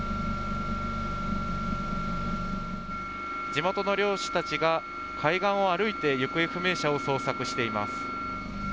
地元の漁師たちが海岸を歩いて行方不明者を捜索しています。